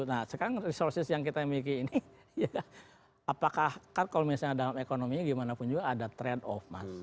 nah sekarang resources yang kita miliki ini ya apakah kan kalau misalnya dalam ekonominya gimana pun juga ada trend of mas